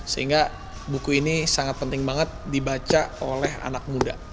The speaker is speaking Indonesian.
sehingga buku ini sangat penting banget dibaca oleh anak muda